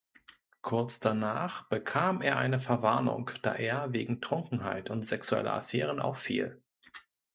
Kurz danach bekam er eine Verwarnung, da er wegen Trunkenheit und sexueller Affären auffiel.